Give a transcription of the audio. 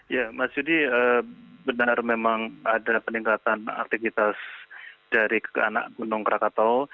iya mas didit benar memang ada peningkatan aktivitas dari anak gunung rakatau